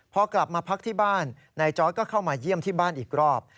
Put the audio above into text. พอกลับมาพักที่บ้านนายจอร์ดก็เข้ามาเยี่ยมที่บ้านอีกรอบ